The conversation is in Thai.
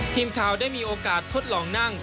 ทีมข่าวได้มีโอกาสทดลองนั่ง